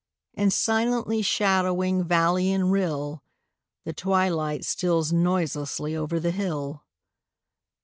And, silently shadowing valley and rill, The twilight steals noiselessly over the hill.